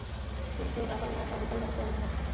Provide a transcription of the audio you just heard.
তিনি সৈয়দ আতা উল্লাহ শাহ বুখারী দ্বারা প্রভাবিত হন।